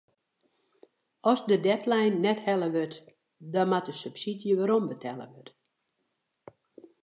As de deadline net helle wurdt dan moat de subsydzje werombetelle wurde.